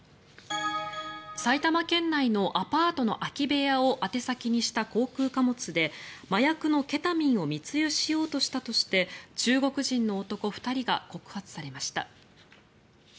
埼玉県内のアパートの空き部屋を宛先にした航空貨物で麻薬のケタミンを密輸しようとしたとして中国人の男２人が告発されました。